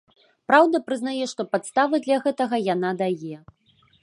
Праўда, прызнае, што падставы для гэтага яна дае.